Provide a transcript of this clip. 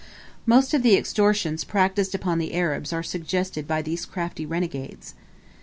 Most of the extortions practised upon the Arabs are suggested by these crafty renegades.